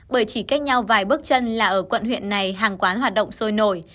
bởi chỉ cách nhau vài bước chân là ở quận huyện này hàng quán hoạt động sôi nổi